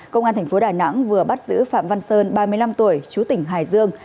công an tp đà nẵng vừa bắt giữ phạm văn sơn ba mươi năm tuổi chú tỉnh hải dương